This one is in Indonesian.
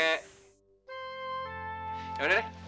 ya udah deh